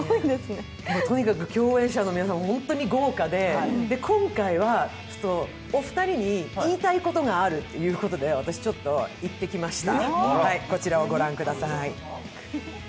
とにかく共演者の皆さんが本当に豪華で、今回はお二人に言いたいことがあるということで、私ちょっと行ってきました。